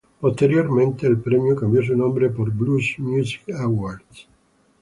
Posteriormente, el premio cambió su nombre por "Blues Music Awards".